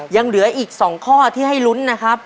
ยังเหลืออีก๒ข้อที่ให้ลุ้นนะครับ